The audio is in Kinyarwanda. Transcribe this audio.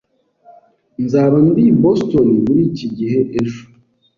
Nzaba ndi i Boston muri iki gihe ejo